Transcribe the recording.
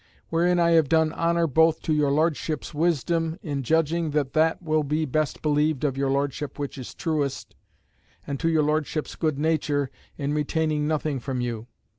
Wherein I have done honour both to your Lordship's wisdom, in judging that that will be best believed of your Lordship which is truest, and to your Lordship's good nature, in retaining nothing from you.